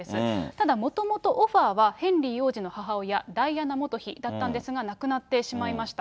ただもともとオファーはヘンリー王子の母親、ダイアナ元妃だったんですが、亡くなってしまいました。